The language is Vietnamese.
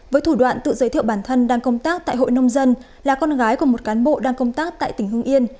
với thủ đoạn tự giới thiệu bản thân đang công tác tại hội nông dân là con gái của một cán bộ đang công tác tại tỉnh hưng yên